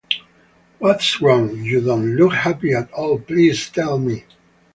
What's wrong? You don't look happy at all, please tell me?